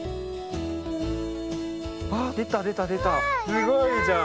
すごいじゃん。